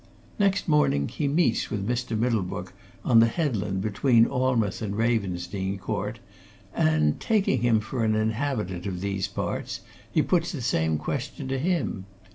Next morning he meets with Mr. Middlebrook on the headlands between Alnmouth and Ravensdene Court and taking him for an inhabitant of these parts, he puts the same question to him.